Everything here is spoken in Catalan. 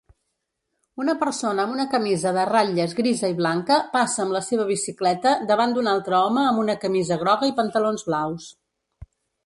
Una persona amb una camisa de ratlles grisa i blanca passa amb la seva bicicleta davant d'un altre home amb una camisa groga i pantalons blaus